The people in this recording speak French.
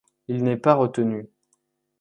Il n'est pas retenu.